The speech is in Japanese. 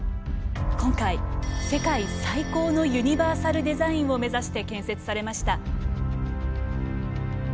今回、世界最高のユニバーサルデザインを目指して建設されました。